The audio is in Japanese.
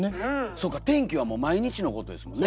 そうか天気はもう毎日のことですもんね。